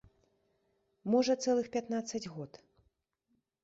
Можа, цэлых пятнаццаць год!